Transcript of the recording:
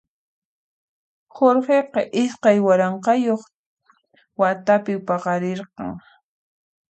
Jorgeqa iskay waranqayuq watapi paqarirqan.